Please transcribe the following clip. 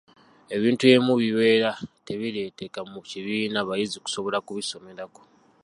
Ebintu ebimu bibeera tebireeteka mu kibiina bayizi kusobola kubisomerako.